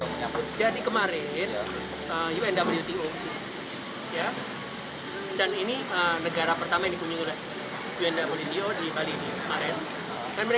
kesehatan berbasis chse di sektor pariwisata tanah air telah mendapat perhatian dunia luar khususnya organisasi kepariwisataan dunia luar